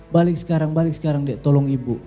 balik sekarang balik sekarang dek tolong ibu